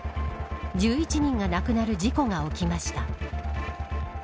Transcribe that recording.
１１人が亡くなる事故が起きました。